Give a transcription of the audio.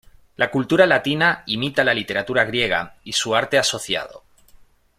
La cultura latina imita la literatura griega y su arte asociado.